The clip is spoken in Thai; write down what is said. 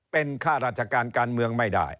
เป็นข้าราชการการเมืองไม่ได้